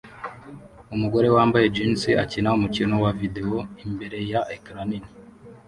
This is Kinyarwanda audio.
Umugore wambaye jeans akina umukino wa videwo imbere ya ecran nini